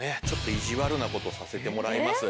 意地悪な事させてもらいます。